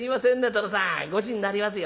殿さんごちになりますよ。